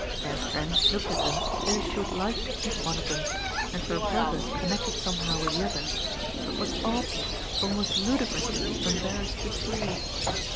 Their friend looked at them as if she would like to keep one of them, and for a purpose connected somehow with the other, but was oddly, almost ludicrously, embarrassed to choose.